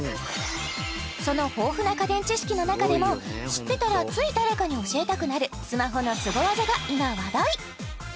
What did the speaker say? その豊富な家電知識の中でも知ってたらつい誰かに教えたくなるスマホのスゴ技が今話題